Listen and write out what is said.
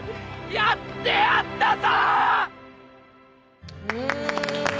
やってやったぞ！